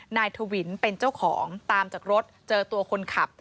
ถวินเป็นเจ้าของตามจากรถเจอตัวคนขับ